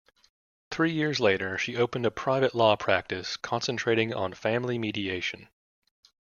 Three years later, she opened a private law practice, concentrating on family mediation.